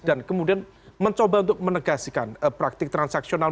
dan kemudian mencoba untuk menegaskan praktik transaksional